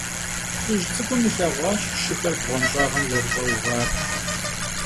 ЛӀыжь цӀыкӀум илъэгъуащ шыхэр бгъуэнщӀагъым зэрыщӀэувар.